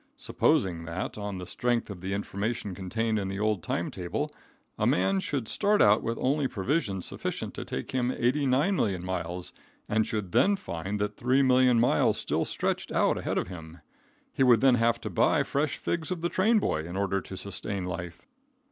Supposing that, on the strength of the information contained in the old time table, a man should start out with only provisions sufficient to take him 89,000,000 miles and should then find that 3,0000,000 miles still stretched out ahead of him. He would then have to buy fresh figs of the train boy in order to sustain life.